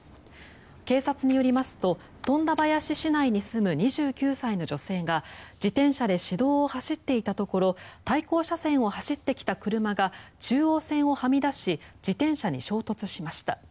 警察によりますと富田林市内に住む２９歳の女性が自転車で市道を走っていたところ対向車線を走ってきた車が中央線をはみ出し自転車に衝突しました。